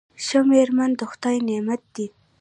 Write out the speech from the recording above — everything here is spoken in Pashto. ښه میرمن د خدای نعمت دی.